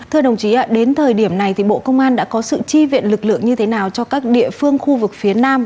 thưa đồng chí đến thời điểm này thì bộ công an đã có sự chi viện lực lượng như thế nào cho các địa phương khu vực phía nam